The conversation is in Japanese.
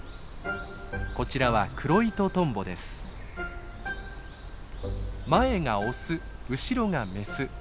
こちらは前がオス後ろがメス。